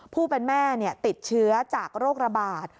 ผู้เป็นแม่ติดเชื้อจากโรคระบาด